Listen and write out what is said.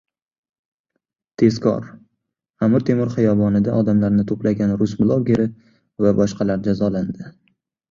Tezkor! Amir Temur xiyobonida odamlarni to‘plagan rus blogeri va boshqalar jazolandi